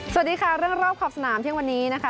สวัสดีค่ะเรื่องรอบขอบสนามเที่ยงวันนี้นะคะ